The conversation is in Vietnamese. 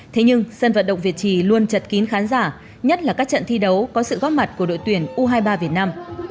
thế nhưng sân vận động việt trì luôn chật kín khán giả nhất là các trận thi đấu có sự góp mặt của đội tuyển u hai mươi ba việt nam